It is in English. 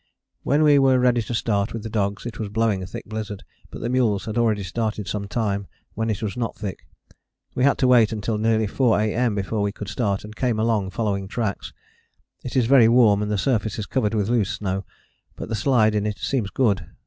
_ When we were ready to start with the dogs it was blowing a thick blizzard, but the mules had already started some time, when it was not thick. We had to wait until nearly 4 A.M. before we could start, and came along following tracks. It is very warm and the surface is covered with loose snow, but the slide in it seems good.